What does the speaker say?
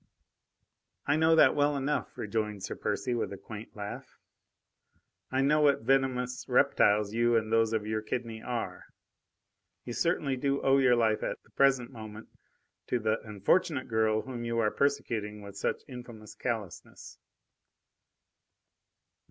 "I know that well enough," rejoined Sir Percy with a quaint laugh. "I know what venomous reptiles you and those of your kidney are. You certainly do owe your life at the present moment to the unfortunate girl whom you are persecuting with such infamous callousness."